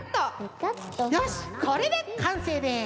よしこれでかんせいです。